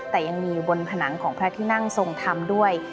แต่ยังมีบนผนังของพระที่นั่งทรงธรรมด้วย